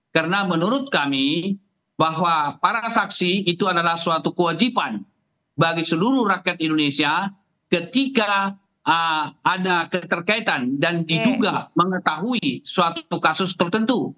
karena menurut kami bahwa para saksi itu adalah suatu kewajiban bagi seluruh rakyat indonesia ketika ada keterkaitan dan diduga mengetahui suatu kasus tertentu